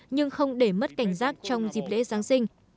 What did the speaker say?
nhưng không để mất cảnh giác trong dịp lễ giáng sinh